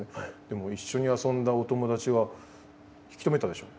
でも一緒に遊んだお友達は引き止めたでしょ。